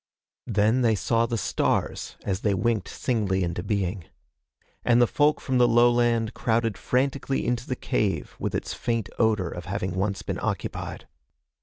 Then they saw the stars as they winked singly into being. And the folk from the lowland crowded frantically into the cave with its faint odor of having once been occupied.